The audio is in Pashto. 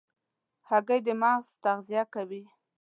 هګۍ د مغز تغذیه کوي.